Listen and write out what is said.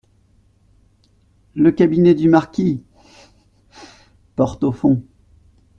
Le cabinet du marquis. — Porte au fond.